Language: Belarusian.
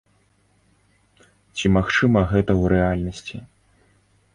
Ці магчыма гэта ў рэальнасці?